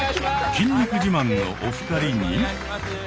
筋肉自慢のお二人に。